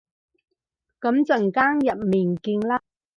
噉陣間入面見啦